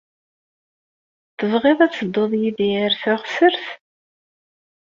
Tebɣiḍ ad tedduḍ yid-i ar teɣsert?